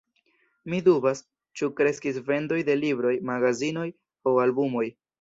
Mi dubas, ĉu kreskis vendoj de libroj, magazinoj aŭ albumoj.